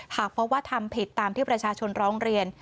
หากพบว่าทำผิดตามที่ประชาชนร้องเรียน